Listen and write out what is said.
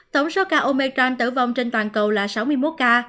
tổng số ca omicron tử vong trên toàn cầu là sáu ca